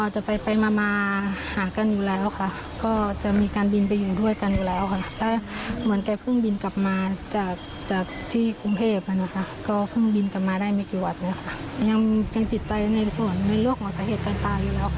จะเป็นเรื่องของสาเหตุการณ์ตายอยู่แล้วค่ะ